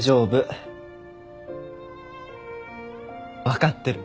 分かってる。